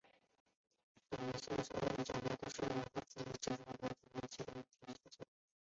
后来倪柝声所有的讲台都是由他作讲台信息速记。